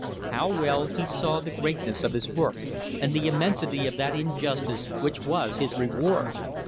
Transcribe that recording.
How well he saw the greatness of his work and the immensity of that injustice which was his reward.